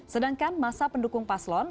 sedangkan masa pendukung paslon